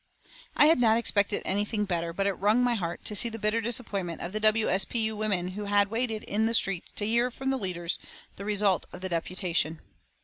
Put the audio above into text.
I had not expected anything better, but it wrung my heart to see the bitter disappointment of the W. S. P. U. women who had waited in the street to hear from the leaders the result of the deputation.